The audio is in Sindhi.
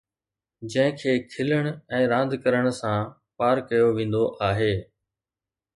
جنهن کي کلڻ ۽ راند ڪرڻ سان پار ڪيو ويندو آهي